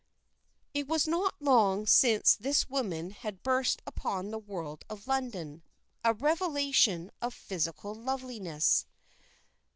It was not long since this woman had burst upon the world of London a revelation of physical loveliness.